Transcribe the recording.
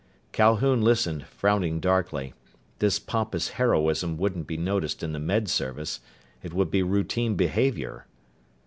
Calhoun listened, frowning darkly. This pompous heroism wouldn't be noticed in the Med Service. It would be routine behavior.